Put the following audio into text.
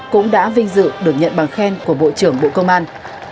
cũng đã vinh dự được nhận bằng khen của bộ trưởng bộ công an